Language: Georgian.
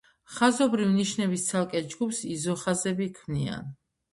ხაზობრივ ნიშნების ცალკე ჯგუფს იზოხაზები ქმნიან.